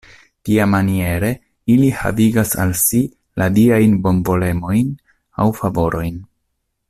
Tiamaniere ili havigas al si la diajn bonvolemojn aŭ favorojn.